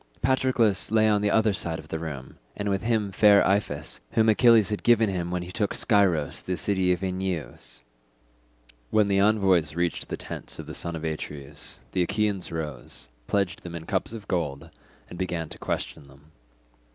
Patroclus lay on the other side of the room, and with him fair Iphis whom Achilles had given him when he took Scyros the city of Enyeus. When the envoys reached the tents of the son of Atreus, the Achaeans rose, pledged them in cups of gold, and began to question them.